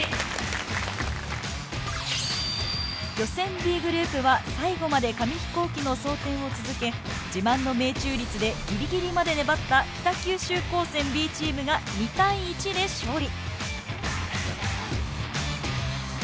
Ｂグループは最後まで紙飛行機の装填を続け自慢の命中率でギリギリまで粘った北九州高専Ｂチームが２対１で勝利。